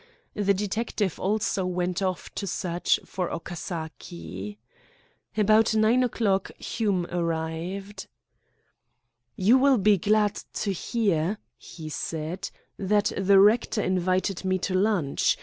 The detective also went off to search for Okasaki. About nine o'clock Hume arrived. "You will be glad to hear," he said, "that the rector invited me to lunch.